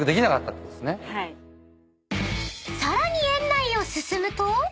［さらに園内を進むと］